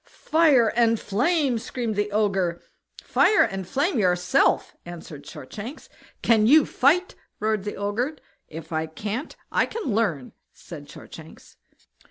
"Fire and flame!" screamed the Ogre. Fire and flame yourself!" answered Shortshanks. "Can you fight?" roared the Ogre. "If I can't, I can learn", said Shortshanks.